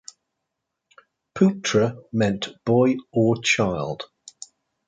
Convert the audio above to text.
"Putra" meant boy or child.